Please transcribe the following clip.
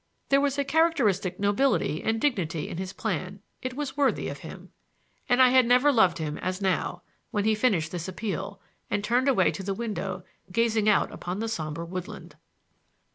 There was a characteristic nobility and dignity in his plan; it was worthy of him. And I had never loved him as now, when he finished this appeal, and turned away to the window, gazing out upon the somber woodland.